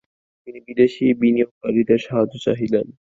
তিনি বিদেশী বিনিয়োগকারীদের সাহায্য চেয়েছিলেন।